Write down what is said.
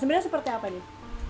sebenarnya seperti apa nih